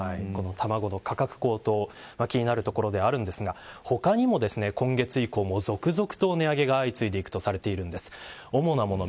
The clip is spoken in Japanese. この卵の価格高騰気になるところですが他にも今月以降続々と値上げが相次いでいくとされています。